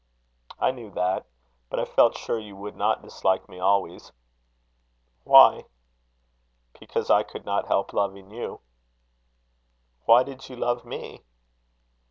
"I knew that; but I felt sure you would not dislike me always." "Why?" "Because I could not help loving you." "Why did you love me?"